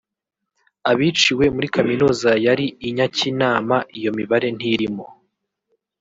abiciwe muri Kaminuza yari I Nyakinama iyo mibare ntirimo